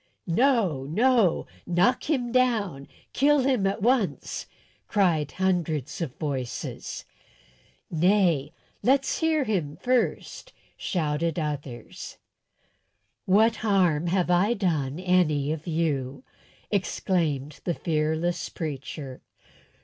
"No, no; knock him down! Kill him at once!" cried hundreds of voices. "Nay, let's hear him first," shouted others. "What harm have I done any of you?" exclaimed the fearless preacher.